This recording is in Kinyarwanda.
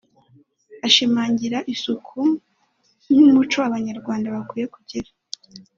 Ashimangira isuku nk’umuco Abanyarwanda bakwiye kugira